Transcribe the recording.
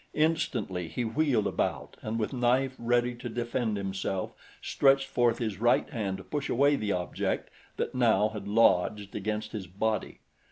Instantly he wheeled about and with knife ready to defend himself stretched forth his right hand to push away the object that now had lodged against his body.